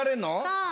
そう。